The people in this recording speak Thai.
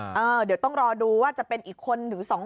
เดี๋ยวต้องรอดูว่าจะเป็นอีกคนถึง๒คน